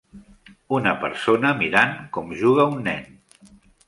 Una persona mirant com juga un nen.